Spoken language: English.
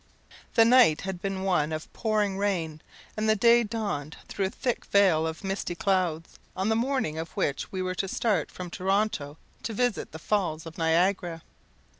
S.M. The night had been one of pouring rain, and the day dawned through a thick veil of misty clouds, on the morning of which we were to start from Toronto to visit the Falls of Niagara.